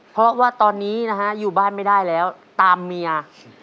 เพราะว่าตอนนี้นะฮะอยู่บ้านไม่ได้แล้วตามเมีย